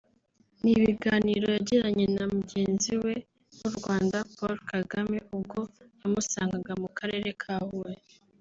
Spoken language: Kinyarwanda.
ni ibiganiro yagiranye na mugenzi we w’u Rwanda Paul Kagame ubwo yamusangaga mu karere ka Huye